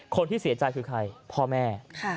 คนที่เสียใจคือใครพ่อแม่